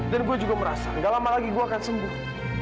dan gue juga merasa gak lama lagi gue akan sembuh